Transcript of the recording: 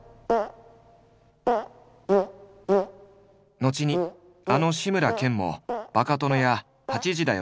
後にあの志村けんも「バカ殿」や「８時だョ！